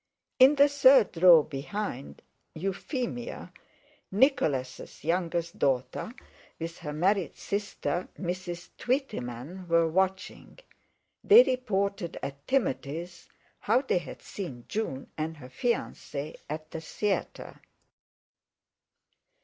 In the third row behind, Euphemia, Nicholas's youngest daughter, with her married sister, Mrs. Tweetyman, were watching. They reported at Timothy's, how they had seen June and her fiancé at the theatre.